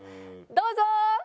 どうぞ！